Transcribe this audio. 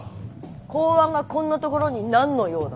公安がこんなところに何の用だ？